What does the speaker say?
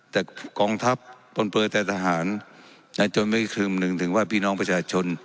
แต่กองทัพปนเปลือแต่ทหารจนไม่ครึมหนึ่งถึงว่าพี่น้องประชาชน